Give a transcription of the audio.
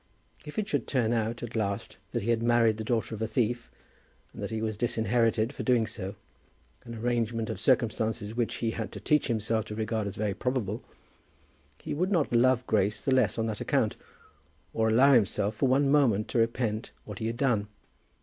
If it should turn out at last that he had married the daughter of a thief, and that he was disinherited for doing so, an arrangement of circumstances which he had to teach himself to regard as very probable, he would not love Grace the less on that account, or allow himself for one moment to repent what he had done.